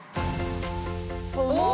お！